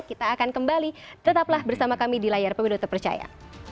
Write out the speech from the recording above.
kita akan kembali tetaplah bersama kami di layar pemilu terpercaya